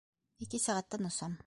Ике сәғәттән осам!